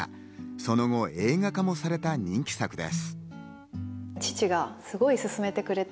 その後、映画化もされた人気作です。